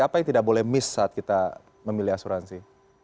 apa yang tidak boleh miss saat kita memilih asuransi